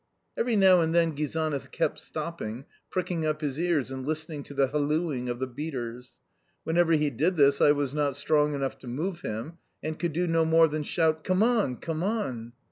Every now and then Gizana kept stopping, pricking up his ears, and listening to the hallooing of the beaters. Whenever he did this I was not strong enough to move him, and could do no more than shout, "Come on, come on!"